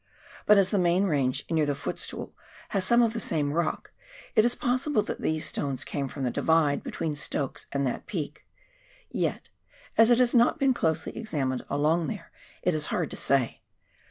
But as the main range near the Footstool has some of the same rock, it is possible that these stones came from the Divide between Stokes and that peak — yet, as it has not been closely examined along there, it is hard to say.